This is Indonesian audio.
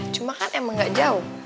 cuma kan emang gak jauh